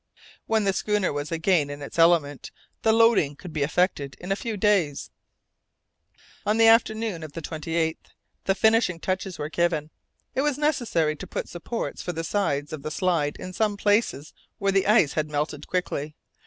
When the schooner was again in its element, the loading could be effected in a few days. On the afternoon of the 28th, the finishing touches were given. It was necessary to put supports for the sides of the slide in some places where the ice had melted quickly.